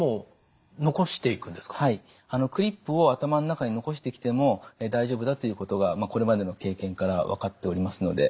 はいクリップを頭の中に残してきても大丈夫だということがこれまでの経験から分かっておりますので。